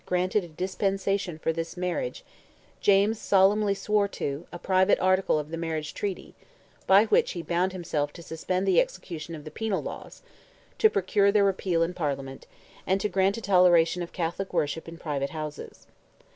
granted a dispensation for this marriage, James solemnly swore to, a private article of the marriage treaty, by which he bound himself to suspend the execution of the Penal laws, to procure their repeal in Parliament, and to grant a toleration of Catholic worship in private houses.